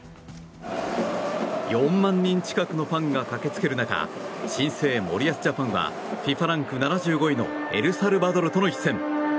４万人近くのファンが駆けつける中新生・森保ジャパンはＦＩＦＡランク７５位のエルサルバドルとの一戦。